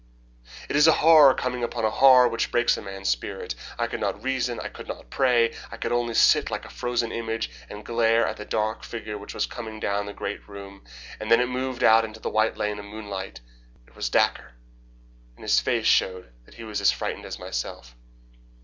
It is a horror coming upon a horror which breaks a man's spirit. I could not reason, I could not pray; I could only sit like a frozen image, and glare at the dark figure which was coming down the great room. And then it moved out into the white lane of moonlight, and I breathed once more. It was Dacre, and his face showed that he was as frightened as myself.